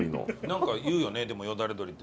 なんか言うよねでもよだれ鶏って。